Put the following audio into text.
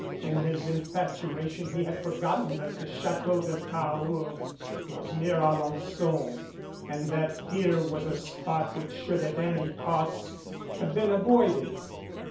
In his infatuation he had forgot ten that the Chateau de Cahors was near Alen9on and that here was a spot which should at any costs have been avoided.